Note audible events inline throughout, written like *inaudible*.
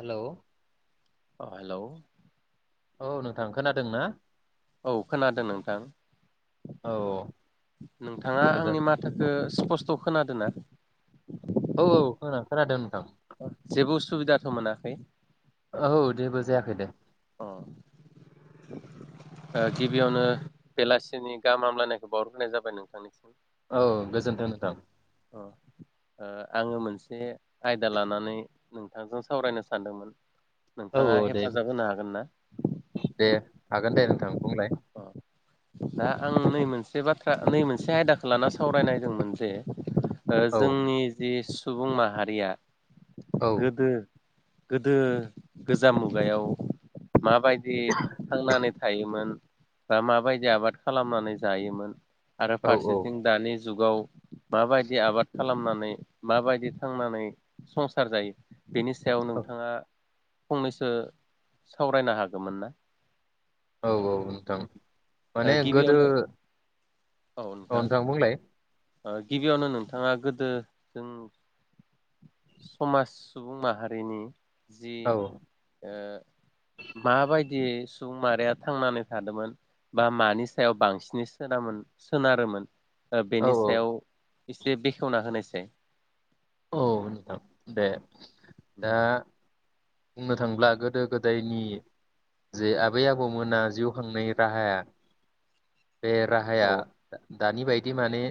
हेल' hello औ नोंथां खोनादों ना? औ खोनादों नोंथां। औ नोंथाङा आंनि गोजोन माथोखो ओ स्पस्त खोनादो ना? औ औ खोना खोनादो नोंथां। जेबो उसुबिदाथ मोनाखै औ जेबो जायाखै दे अ ओ गिबियावनो बेलासिनि गाहाम हामलायनायखौ बावहरग्रोनाय जाबाय नोंथां औ गोजोन्थों नोंथां। ओ आङो मोनसे आयदा लानानै नोंथांजों सावरायनो सानदोंमोन औ नोंथाङा औ दे हेफाजाब होनो हाग दे हागोन दे नोंथां बुंलाय अ दा आं नै मोनसे बाथ्रा नै मोनसे आयदाखौ लाना सावरायनायदोंमोन जे ओ औ जोंनि जिस सुबुं माहारिया औ गोदो गोदो गोजाम मुगायाव माबायदि थांनानै थायोमोन बा माबायदि दि आबाद खालामनानै जायोमोन आरो औ फारसेथिं दानि जु जुगाव माबायदि आबाद खालामनानै माबायदि थांनानै संसार जायो बेनि सायाव औ नोंथाङा फंनैसो सावरायनो हागोमोन ना औ औ नोंथां ओ माने गोदो गिबियावनो औ नोंथां गिबियावनो नोंथाङा गोदो जों समाज सुबुं माहारिनि जि औ ओ माबायदि सुबुं मारिया थांनानै थादोंमोन बा मानि सायाव बांसिनै सोनामोन सोनारोमोन औ बेनि सा सायाव एसे बेखेवना होनायसै दे औ नोंथां दे दा बुंनो थांब्ला गोदो गोदायनि जे आबै आबौमोना जिउ खांनायनि राहाया बे राहाया औ दानि बायदि माने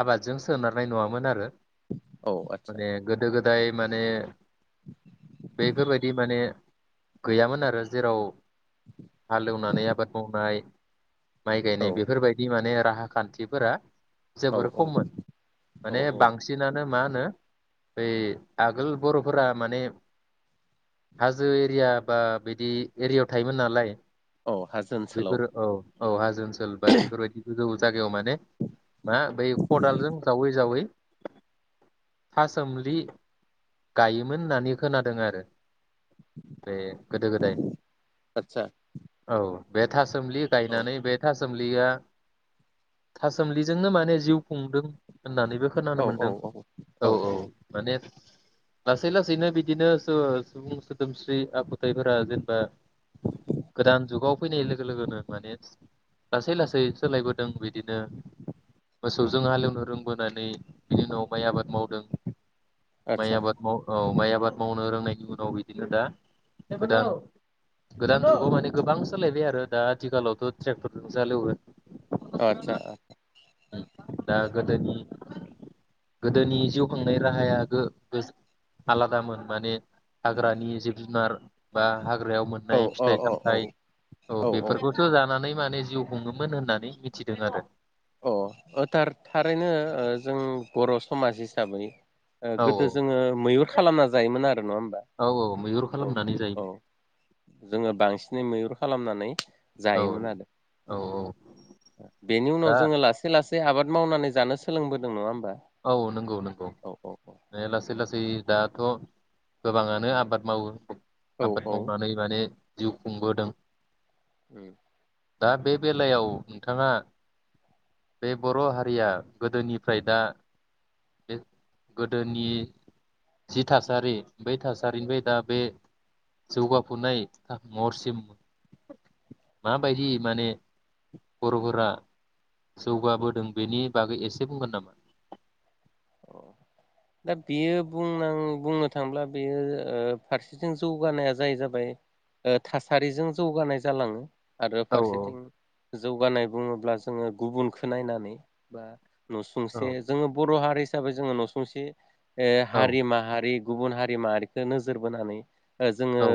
आबादजों सोनारनाय नङामोन आरो औ आदसा माने गोदो गोदाय माने बेफोरबायदि माने गैयामोन आरो जेराव हालेवनानै आबाद मावनाय माइ औ गायनाय बेफोरबायदि माने राहा खान्थिफोरा औ जोबोर औ खममोन औ माने औ बांसिनानो मा होनो बै आगोल बर'फोरा माने हाजो एरिया बा बिदि एरियायाव थायोमोन नालाय औ हाजो बैफोर ओनसोलाव औ औ हाजो ओनसोल बा बेफोरबायदिखौ जों जागायाव माने मा बै खदालजों जावै जावै था सोमलि गायोमोन होननानै खोनादों आरो बे गोदो गोदाय आदसा औ बे थास सोमलि औ गायनानै बे था सोमलिया थासोमलिजोंनो माने जिउ खुंदों होननानैबो खोनानो औ औ मोनदों औ औ औ माने लासै लासैनो बि बिदिनो सुबुं सोदोमस्रि आखुथायाइफोरा जेनेबा गोदान जुगाव फैनाय लोगो लोगोनो माने लासै लासै सोलायबोदों बिदिनो मोसौजों हालेवनो रोंबोनानै बिनि उनाव माइ आबाद मावदों माइ आदसा आबाद माव माइ आबाद मावनो रोंनायनि उनाव बिदिनो दा गोदान गोदानाव माने गोबां सोलायबाय आरो दा आथिखालावथ' ट्रेक्टरजों हिलेवो आदसा आ दा गोदोनि गोदोनि जिउ खांनाय राहाया गोगो आलादामोन। माने हाग्रानि जिब जुनार बा हाग्रायाव औ मोननाय औ फिथाइ औ सामथाइ औ औ बेफोरखौसो जानानै माने जिउ खुङोमोन होननानै मिथिदों आरो अ अ थार थारैनो जों बर समाज हिसाबै ओ औ गोदो जोंङो मैुहुर खालामना जायोमोन आरो नङा होमबा औ औ मैहुर औ खालामनानै औ जायोमोन जोंङो बांसिनै मैुर खालामनानै औ जायोमोन आरो औ औ बेनि उनाव दा जोंङो लासै लासै जे आबाद मावनानै जानो सोलोंबोदों नङा होमबा औ नंगौ नंगौ औ औ लासै लासै गोबाङानो आबाद मावो औ आबाद औ मावनानै माने जिउ खुंबोदों उम दा बे बेलायाव नोंथाङा बे बर हारिया गोदोनिफ्राय दा बे गोदोनि जि थासारि बै थासारिनिफ्राय दा बे जौगाफुनाय महरसिम माबायदि माने बरफोरा जौगाबोदों बेनि बागै एसे बुंगोन नामा? औ दा बियो बुं बुंनां बुंनो थांब्ला बेयो फारसेथिं जौगानाया जायो जाबाय थासारिजों जौगानाय जालाङो आरो औ फारसेथिं जौगानाय बुङोब्ला जोङो गुबुनखौ नायनानै बा औ नसुंसे जोङो बर' हारि हिसाबै जोङो नसुंसे ए औ हारि माहारि गुबुन हारि माहारिखो नोजोर बोनानै। ओ जोङो औ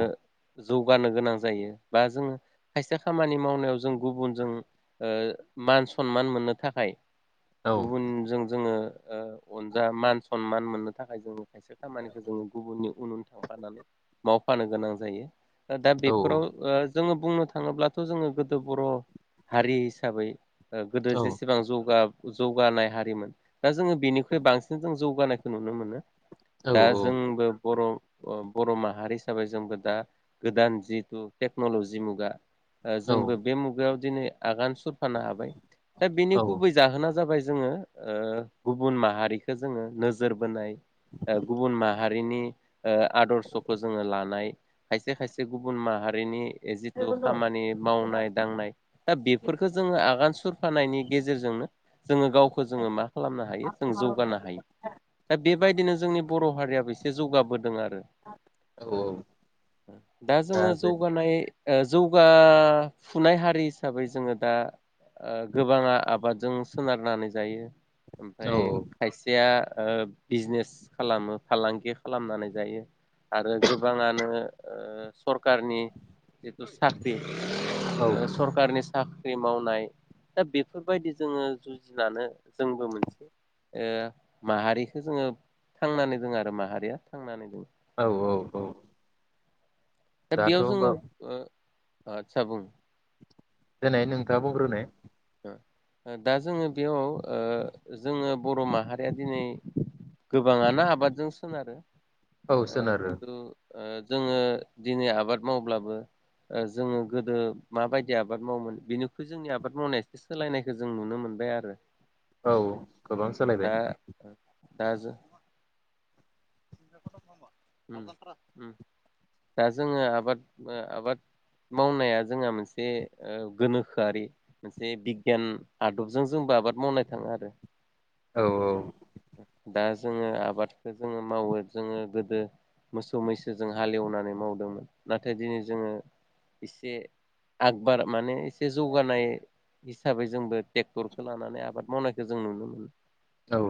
जौगानो गोनां जायो बा जोङो खायसे खामानि मावनायाव जों गुबुनजों ओ मान सनमान मोननो थाखाय औ गुबुनजों जोङो ओ अनजा मान सनमान मोननो थाखाय जों खायसे खामानिखौ जोङो गुबुननि उन उन थांफानानै मावफानो गोनां जायो। दा औ बेफोराव ओ जोङो बुंनो थाङोब्लाथ जोङो गोदो बर' हारि हिसाबै ओ गोदो औ जेसेबां जौगा जौगानाय हारिमोन दा जोङो बेनि बांसिन जों जौगानायखौ नुनो मोनो। औ दा जोंबो बर' ओ बर' माहारि हिसाबै जोंबो दा गोदान जिथु टेक्न'लजि मुगा ओ औ जोंबो बे मुगायाव दिनै आगान सुरफानो हाबाय दा बेनि औ गुबै जाहोना जाबाय जोङो गुबुन ओ माहारि बिखो जोङो नोजोर बोनाय ओ गुबुन मा हारिनि ओ आदर्शखौ जोङो लानाय खायसे खायसे गुबुन माहारिनि जिथु खामानि मावनाय दांनाय दा बेफोरखो जोङो आगान फानायनि गेजेरजोंनो जोङो गावखौ जोङो मा खालामनो हायो जों जौ जौगानो हायो दा बेबायदिनो जोंनि बर' हारियाबो एसे जौगाबोदों आरो। औ दा जोङो जौगानाय ओ जौगाफुनाय हारि हिसाबै जोङो दा गोबाङा आ आबादजों सोनारनानै जायो। औ ओमफ्राय *unintelligible* बिजनेस खालामो फालांगि खालामनानै जायो। आरो गोबाङानो ओ सरखारनि जिथु साख्रि औ सरखारनि साख साख्रि मावनाय दा बेफोरबायदि जोङो जुजिनानै जोंबो मोनसे ओ माहारिखो जोङो थांनानै दोङ आरो माहारिया थांनानै दोङो। औ औ औ। दा दाथ' बेयाव जोङो होमबा ओ आतसा बुं। देनाय नोंथाङा बुंग्रोनाय। दा जोङो बेयाव ओ जोङो बर' माहारिया दिनै गोबाङानो आबादजों सोनारो। औ ओ सोनारो खिन्थु ओ जोङो दिनै आबाद मावब्लाबो जोङो गोदो माबायदि आबाद मावोमोन बेनिख्रुइ जोंनि आबाद मावनाय सोलायनायखौ जों नुनो मोनबाय आरो। औ गोबां सोलायबाय। दा दा जो *inaudible* दा जोङो आबाद आबाद मावनाया जोंहा मोनसे गोनोखोआरि मोनसे बिगियान आदबजों जोंबो आबाद मावनो थाङो आरो। औ औ। दा जोङो आबादखौ जोङो मावो जोङो गोदो मोसौ मैसोजों हालेवनानै मावदोंमोन नाथाय दिनै जोङो एसे आगबार माने एसे जौगानाय हिसाबै जोंबो ट्रेक्टरखौ लानानै आबाद मावनायखौ जों नुनो मोनो। औ।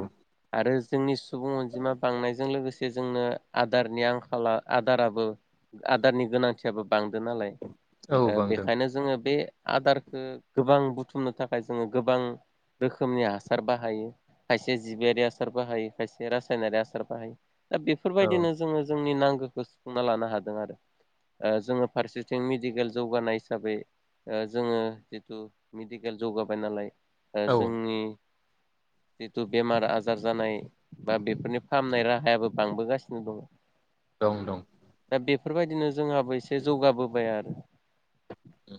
आरो जोंनि सुबुं अनजिमा बांनायजों लोगोसे जे जोंनो आदारनि आंखाला आदाराबो आदारनि गोनांथियाबो बांदो नालाय औ ओह बांदों बेखायनो जोङो बे आदारखौ गोबां बुथुमनो थाखाय जोङो गोबां रोखोमनि हासार बाहायो खायसे खायसे जिबियारि आसार बाहायो खायसे रासायनारि आसार बाहायो। दा औ बेफोरबायदिनो जोङो जोंनि नांगौ। *unintelligible* सुफुंना लानो हादों आरो ओ जोङो फारसेथिं मेडिकेल जौगानाय हिसाबै ओ जोङो जिथु मेडिकेल जौगाबाय नालाय ओ औ जोंनि जिथु बेमार आजार जानाय बा बेफोरनि फाहामनाय राहायाबो बांबोगासिनो दङ। दं दं। दा बेफोरबायदिनो जोंहाबो एसे जौगाबोबाय आरो। औ।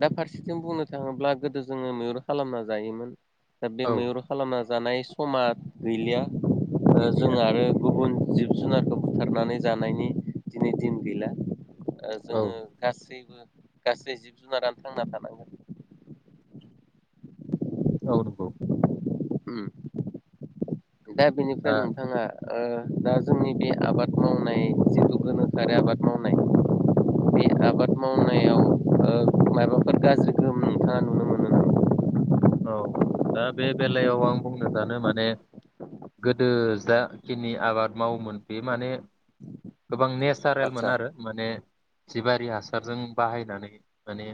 दा फारसेथिं बुंनो थाङोब्ला गोदो जोङो मैहुर खालामना जायोमोन। दा बे औ मैहुर खालामना जानाय समा गैलिया। जों गैलिया आरो गुबुन जिब जुनारखौ बुथारनानै जानायनि दिनै दिन गैला उह औ जोङो गासैबो गासै जिब जुनारानो थांना थानांगोन औ नंगौ उम दा बेनिफ्राय नोंथाङा उह दा जोंनि बे आबाद मावनाय जिथु गोनोखोआरि आबाद मावनाय बे आबाद मावनायाव उह माबाफोर गाज्रि गोहोम नोंथाङा नुनो मोनो नामा औ दा बे बेलायाव आं बुंनो सानो माने गोदो जाखिनि आबाद मावोमोन बे माने गोबां नेचारेलमोन आदसा आरो माने जिबारि हासार हासारजों बाहायनानै माने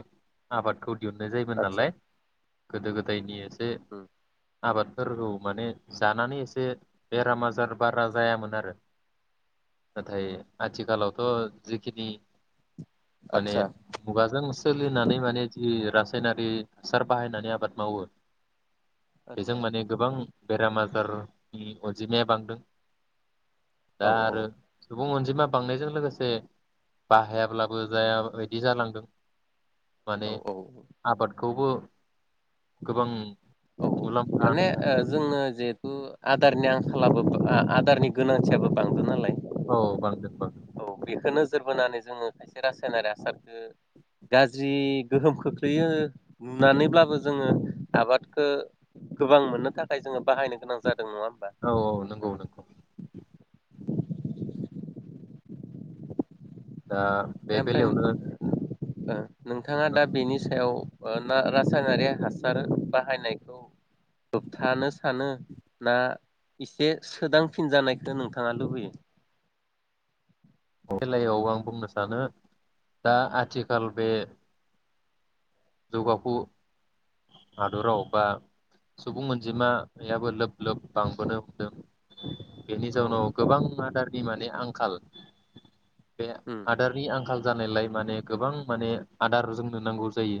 आबादखौ दिहुननाय जायोमोन आदसा नालाय गोदो गोदायनि एसे उम आबादफोरखौ माने जानानै एसे बेराम आजार बारा जायामोन आरो नाथाय आथिखालावथ' जिखिनि माने आदसा मुगाजों सोलिनानै माने जि रासायनारि हासार बाहायनानै आबाद मावो बेजों आदसा माने गोबां बेरामा हार अनजिमाया बांदों औ दा औ आरो सुबुं अनजिमा बांनायजों लोगोसे बाहायाब्लाबो जाया बायदि जालांदों औ औ गबो औ माने थाखाय जोंनो जिहेथु आदारनि आं खालाबोबा आ आदारनि गोनांथियाबो बांदों नालाय औ बांदों बांदों बेखो नोजोर बोनानै जोङो खायसे रासायनारि हासार खो गाज्रि गोहोम खोख्लैयो नुनानैब्लाबो जोङो आबादखो गोबां मोननो थाखाय जोङो बाहायनो गोनां जादों नङा होमबा औ औ नंगौ नंगौ दा बे दा ओमफ्राय बेलायावनो ओ नोंथाङा दा बेनि सायाव ना रासायनारि हासार बाहायनायखौ होबथानो सानो ना एसे सोदांफिनजानायखौ नोंथाङा लुबैयो खेलायाव आं बुंनो सानो दा आथिखाल बे जौगाफु हादराव बा सुबुं अनजिमायाबो लोब लोब बांबोनो हमदों बेनि औ जाउनाव गोबां आदार दैमानि आंखाल बे उम आदारनि आंखाल जानायलाय माने गोबां माने आदार जोंनो नांगौ जायो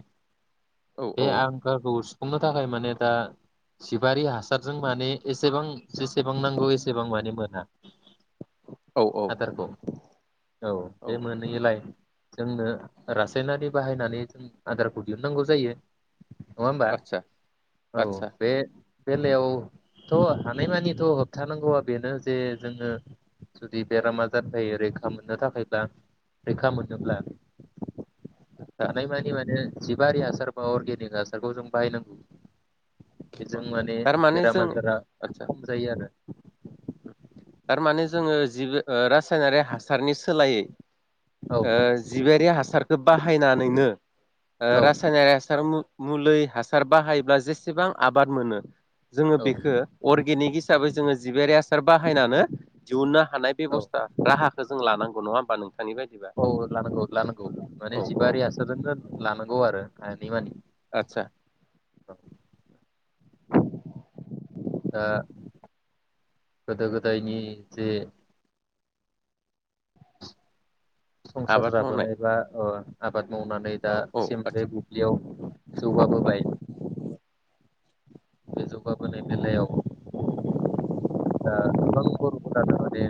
औ बे औ आंखालखौ सु हमनो थाखाय माने दा जिबारि हासारजों माने एसेबां जेसेबां नांगौ एसेबां माने मोना। औ आदारखौ औ बे मोनैलाय जोंनो। रासायनारि बाहायनानै जों आदार दिहुननांगौ जायो। नङा होनबा आदसा औ आदसा बे। बेलायावथ' हानायमानिथ' होबथानांगौआ बेनो जे जोङो जुदि बेरामा जाफायो रैखा मोननो थाखायब्ला रैखा मोनोब्ला आदसा हानाय मानि माने जिबारि हासार बा अर्गेनिक हासारखौ जों बाहायनांगौ। अ बेजों माने थारमाने बेराम जों ओ आजारा आदसा खम जायो आरो। थारमाने जोङो जिबो रासायनारि हासारनि सोलायै औ ओ जिबारि हासारखो बाहायनानैनो ओ औ रासायनारि हासार मुलै हासार बाहायोब्ला जेसेबां आबाद मोनो। जोङो औ बेखो अर्गेनिक हिसाबै जोङो जिबियारि हासारबा बाहायनानो दिहुनना हानाय औ बेबस्था राहा खो जों लानांगौ नङा होमबा नों औ लानांगौ लानांगौ औ माने औ जिबारि हासारजोंनो लानांगौ आरो हानि माने आतसा। औ। आ गोदो गोदायनि जे संसार आबाद मावनाय जाबोनाय बा अ आबाद मावनानै औ दा औ सिम आदसा बे बुब्लियाव जौगाबोबाय। बे जौगाबोनाय बेलायाव दा गोबां बर'फोरानो माने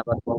आबाद माव